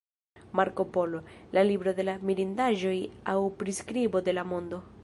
Marko Polo: La libro de la mirindaĵoj aŭ priskribo de la mondo.